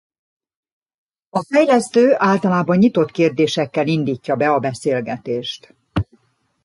A fejlesztő általában nyitott kérdésekkel indítja be a beszélgetést.